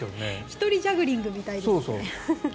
１人ジャグリングみたいですね。